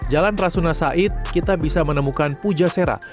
jalan prasunasait kita bisa menemukan pujasera